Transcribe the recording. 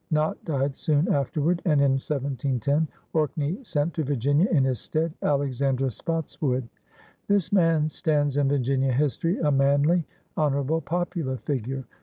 Nott died soon afterward, and in 1710 Orkney sent to Virginia in his stead Alexander Spotswood. This man stands m Virginia history a manly, honor able, popular figure.